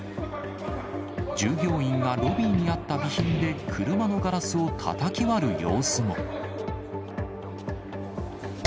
従業員がロビーにあった備品で車のガラスをたたき割る様子も。